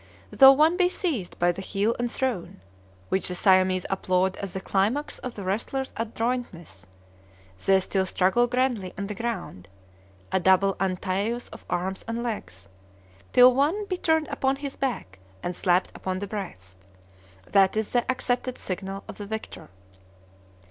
Though one be seized by the heel and thrown, which the Siamese applaud as the climax of the wrestler's adroitness, they still struggle grandly on the ground, a double Antæus of arms and legs, till one be turned upon his back and slapped upon the breast. That is the accepted signal of the victor.